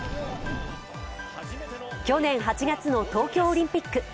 去年８月の東京オリンピック。